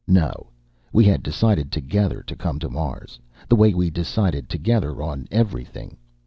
No, we had decided together to come to Mars the way we decided together on everything.